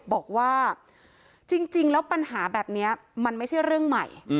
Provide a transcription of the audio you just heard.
บอกว่าจริงแล้วปัญหาแบบนี้มันไม่ใช่เรื่องใหม่